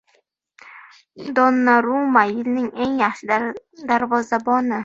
Donnaruma — yilning eng yaxshi darvozaboni